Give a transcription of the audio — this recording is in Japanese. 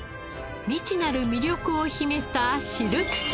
未知なる魅力を秘めたシルクサーモン。